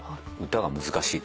歌が難しい？